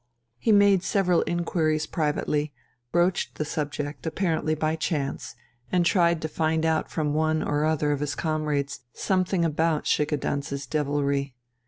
He made several inquiries privately, broached the subject apparently by chance, and tried to find out from one or other of his comrades something about Schickedanz's devilry.